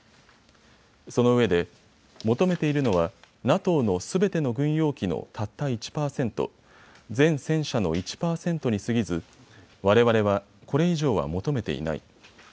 そのうえで求めているのはＮＡＴＯのすべての軍用機のたった１％、全戦車の１％にすぎずわれわれはこれ以上は求めていない。